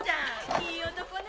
いい男ね！